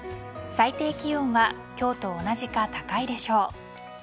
最低気温は今日と同じか高いでしょう。